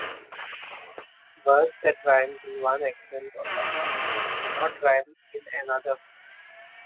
Words that rhyme in one accent or dialect may not rhyme in another.